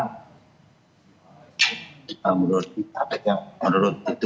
saya tidak menurut itu